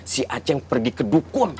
si aceng pergi kedukun